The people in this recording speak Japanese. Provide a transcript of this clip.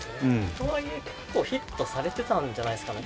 とはいえ結構ヒットされてたんじゃないですかね。